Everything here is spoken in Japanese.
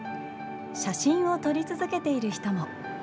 写真を撮り続けている人も。